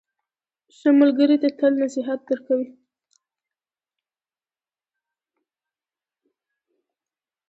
ښه ملګری تل نصیحت درکوي.